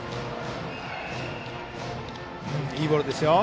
いいボールですよ。